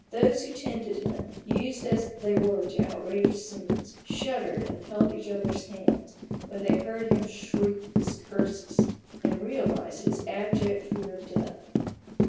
Those who tended him, used as they were to outrageous scenes, shuddered and held each other's hands when they heard him shriek 52 A BOOK OF BARGAINS. his curses, and realized his abject fear of death.